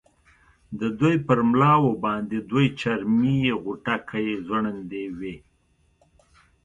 د دوی پر ملاو باندې دوې چرمي غوټکۍ ځوړندې وې.